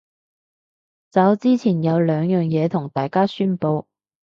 走之前有兩樣嘢同大家宣佈